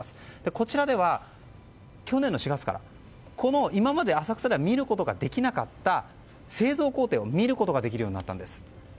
こちらでは、去年の４月からこの、今まで浅草では見ることができなかった製造工程を見ることができるようになったんです。